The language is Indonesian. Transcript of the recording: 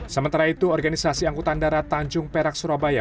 sementara itu organisasi angkutan darat tanjung perak surabaya